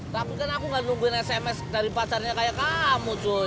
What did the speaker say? tapi kan aku gak nungguin sms dari pacarnya kayak kamu tuh